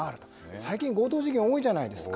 最近、強盗事件が多いじゃないですか。